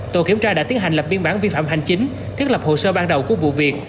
tổ kiểm tra đã tiến hành lập biên bản vi phạm hành chính thiết lập hồ sơ ban đầu của vụ việc